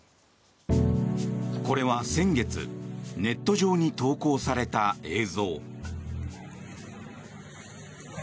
これは先月ネット上に投稿された映像。